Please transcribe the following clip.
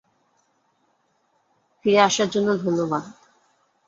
ফিরে আসার জন্য ধন্যবাদ।